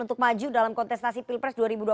untuk maju dalam kontestasi pilpres dua ribu dua puluh